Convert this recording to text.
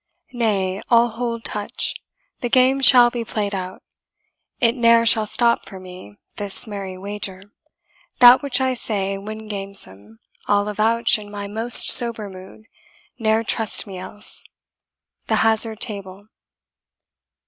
Nay, I'll hold touch the game shall be play'd out; It ne'er shall stop for me, this merry wager: That which I say when gamesome, I'll avouch In my most sober mood, ne'er trust me else. THE HAZARD TABLE.